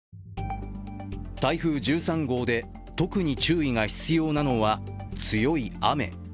台風１３号で特に注意が必要なのは強い雨。